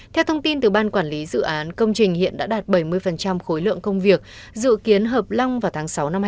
theo thông tin từ ban quản lý dự án công trình hiện đã đạt bảy mươi khối lượng công việc dự kiến hợp long vào tháng sáu năm hai nghìn hai mươi